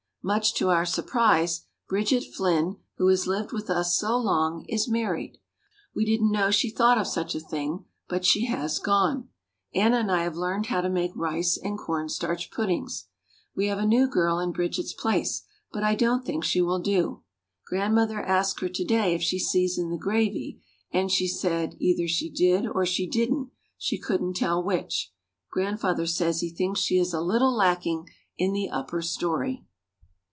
Much to our surprise Bridget Flynn, who has lived with us so long, is married. We didn't know she thought of such a thing, but she has gone. Anna and I have learned how to make rice and cornstarch puddings. We have a new girl in Bridget's place but I don't think she will do. Grandmother asked her to day if she seasoned the gravy and she said, either she did or she didn't, she couldn't tell which. Grandfather says he thinks she is a little lacking in the "upper story."